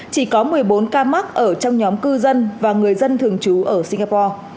chỉ có một mươi bốn ca mắc ở trong nhóm cư dân và người dân thường trú ở singapore